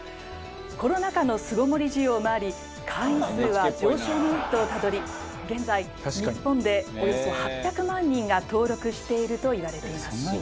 コロナ禍の巣ごもり需要もあり会員数は上昇の一途をたどり現在日本でおよそ８００万人が登録しているといわれています。